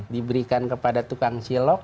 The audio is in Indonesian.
diberikan kepada tukang silok